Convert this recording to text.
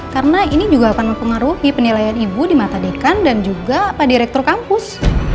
karena ini juga akan mempengaruhi penilaian ibu di mata dekan dan juga pak direktur kampus